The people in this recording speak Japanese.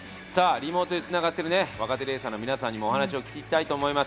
リモートでつながってる若手レーサーの皆さんにも話を聞きたいと思います。